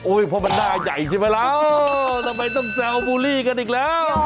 เพราะมันหน้าใหญ่ใช่ไหมล่ะทำไมต้องแซวบูลลี่กันอีกแล้ว